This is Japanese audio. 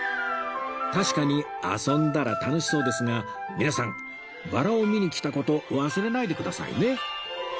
確かに遊んだら楽しそうですが皆さんバラを見に来た事忘れないでくださいね